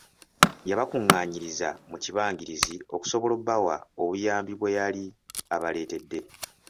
Yabakungaanyiriza mu kibangirizi okusobola okubawa obuyambi bwe yali abaleetedde.